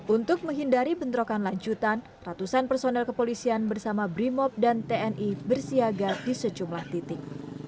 untuk menghindari bentrokan lanjutan ratusan personel kepolisian bersama brimob dan tni bersiaga di sejumlah titik